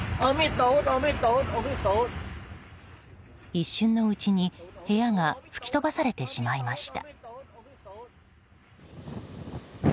一瞬のうちに、部屋が吹き飛ばされてしまいました。